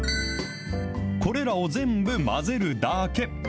これらを全部混ぜるだけ。